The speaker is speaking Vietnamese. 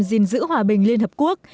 gìn giữ hòa bình liên hợp quốc